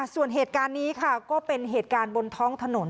ส่วนเหตุการณ์นี้ค่ะก็เป็นเหตุการณ์บนท้องถนน